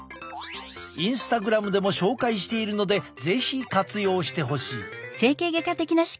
インスタグラムでも紹介しているので是非活用してほしい。